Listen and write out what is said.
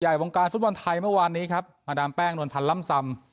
วงการฟุตบอลไทยเมื่อวานนี้ครับมาดามแป้งนวลพันธ์ล่ำซำ